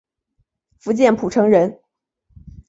福建浦城人。